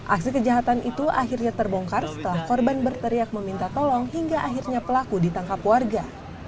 aksi kejahatan itu akhirnya terbongkar setelah korban berteriak meminta tolong hingga akhirnya pelaku ditangkap warga